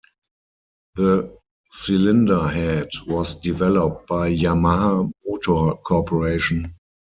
The cylinder head was developed by Yamaha Motor Corporation.